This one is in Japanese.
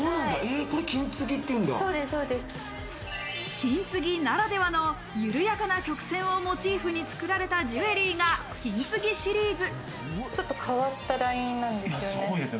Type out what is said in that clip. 金継ぎならではの緩やかな曲線をモチーフに作られたジュエリーがＫＩＮＴＳＵＧＩシリーズ。